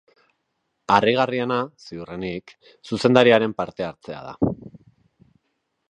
Harrigarriena, ziurrenik, zuzendariaren partehartzea da.